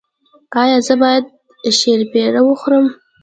ایا زه باید شیرپیره وخورم؟